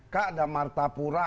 kak ada martapura